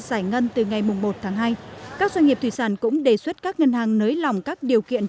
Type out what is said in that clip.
giải ngân từ ngày một tháng hai các doanh nghiệp thủy sản cũng đề xuất các ngân hàng nới lỏng các điều kiện